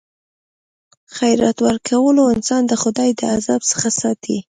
خیرات ورکول انسان د خدای د عذاب څخه ساتي.